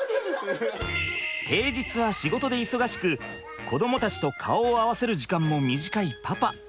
平日は仕事で忙しく子どもたちと顔を合わせる時間も短いパパ。